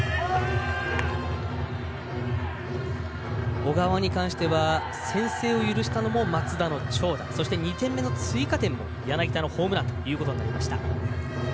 小川に関しては先制を許したのも松田の長打２点目は柳田のホームランということになりました。